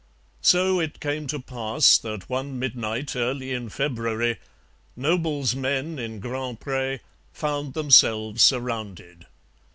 So it came to pass that one midnight, early in February, Noble's men in Grand Pre found themselves surrounded.